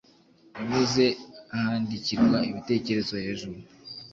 unyuze ahandikirwa ibitekerezo hejuru